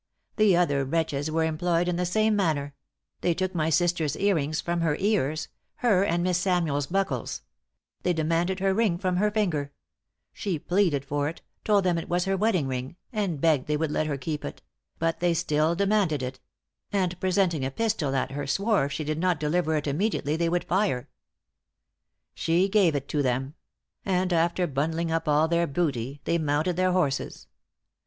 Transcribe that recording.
The other wretches were employed in the same manner; they took my sister's earrings from her ears, her and Miss Samuells' buckles; they demanded her ring from her finger; she pleaded for it, told them it was her weddingring, and begged they would let her keep it; but they still demanded it; and presenting a pistol at her, swore if she did not deliver it immediately, they would fire. She gave it to them; and after bundling up all their booty, they mounted their horses.